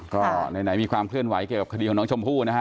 ก็ไหนมีความเคลื่อนไหวเกี่ยวกับคดีของน้องชมพู่นะฮะ